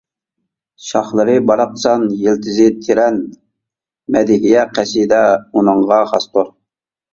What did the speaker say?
شاخلىرى باراقسان، يىلتىزى تىرەن، مەدھىيە قەسىدە ئۇنىڭغا خاستۇر.